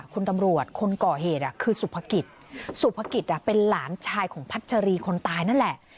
คุณตำรวจคนก่อเหตุคือสุภกิจสุภกิจเป็นหลานชายของพัชรีคนตายนั่นแหละ